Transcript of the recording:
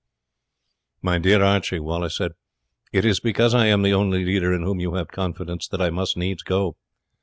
"My dear Archie," Wallace said, "it is because I am the only leader in whom you have confidence that I must needs go.